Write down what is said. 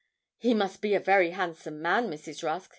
'He must be a very handsome man, Mrs. Rusk.